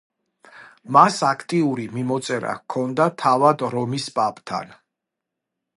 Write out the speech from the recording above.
მას აქტიური მიმოწერა ჰქონდა თავად რომის პაპთან.